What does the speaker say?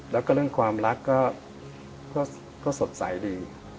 แล้วก็เรื่องความรักก็สดใสดี